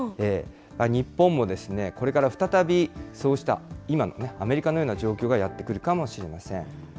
日本もですね、これから再びそうした今のね、アメリカのような状況がやって来るかもしれません。